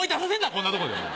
こんなとこでお前。